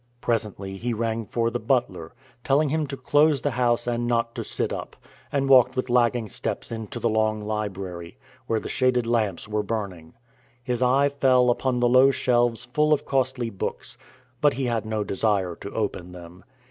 Presently he rang for the butler, telling him to close the house and not to sit up, and walked with lagging steps into the long library, where the shaded lamps were burning. His eye fell upon the low shelves full of costly books, but he had no desire to open them.